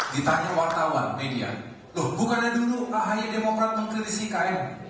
ditanya wartawan media loh bukannya dulu ahy demokrat mengkritisi ikn